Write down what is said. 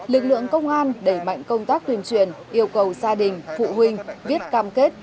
lực lượng công an đẩy mạnh công tác tuyên truyền yêu cầu gia đình phụ huynh viết cam kết